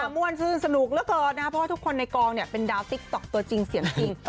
มวลฟื้นสนุกละก่อนนะครับเพราะว่าทุกคนในกองเป็นดาวติ๊กต๊อกตัวจริงเสียงจริง